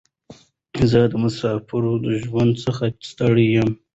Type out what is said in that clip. زه د مساپرۍ ژوند څخه ستړی یم.